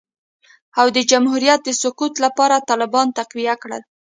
او د جمهوریت د سقوط لپاره یې طالبان تقویه کړل